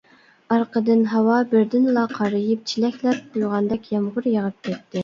ئارقىدىن ھاۋا بىردىنلا قارىيىپ چېلەكلەپ قۇيغاندەك يامغۇر يېغىپ كەتتى.